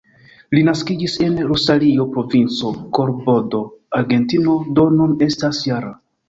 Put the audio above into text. Li naskiĝis en Rosario, Provinco Kordobo, Argentino, do nun estas -jara.